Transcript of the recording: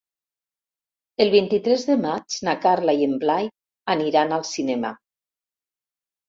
El vint-i-tres de maig na Carla i en Blai aniran al cinema.